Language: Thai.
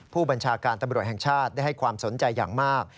ผู้บัญชาการตำรวจแห่งชาติได้ให้ความสนใจอย่างมาก